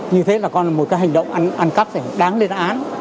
như thế là còn một cái hành động ăn cắp đáng lên án